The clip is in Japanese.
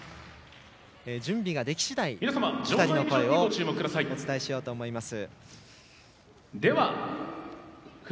準備ができ次第２人の声をお伝えしようと思います。